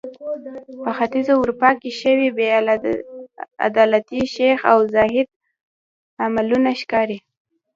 په ختیځه اروپا کې شوې بې عدالتۍ شیخ او زاهد عملونه ښکاري.